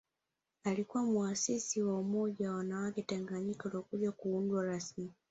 Alikuwa muasisi wa Umoja wa wanawake Tanganyika uliokuja kuundwa rasmi